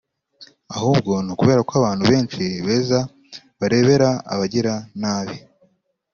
ahubwo ni ukubera ko abantu benshi beza barebera abagira nabi ”